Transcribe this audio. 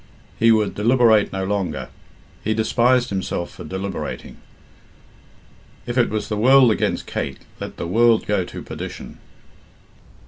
He would deliberate no longer. He despised himself for deliberating. If was the world against Kate, let the world go to perdition.